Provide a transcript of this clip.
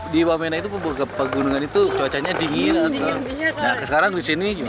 di bamena itu pegunungan itu cuacanya dingin nah sekarang disini gimana